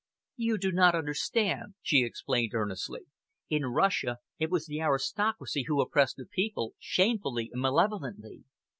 "You do not understand," she explained earnestly. "In Russia it was the aristocracy who oppressed the people, shamefully and malevolently.